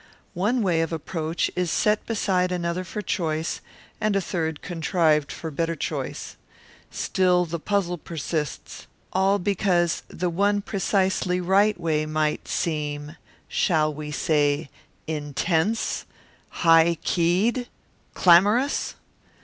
One way of approach is set beside another for choice, and a third contrived for better choice. Still the puzzle persists, all because the one precisely right way might seem shall we say intense, high keyed, clamorous?